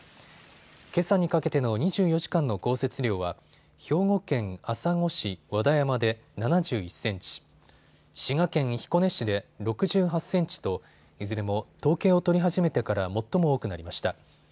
けさにかけての２４時間の降雪量は兵庫県朝来市和田山で７３センチ、滋賀県彦根市で６８センチといずれも統計を取り始めてから最も多くなりました。